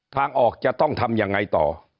ทางออกจะต้องทำยังไงต่อ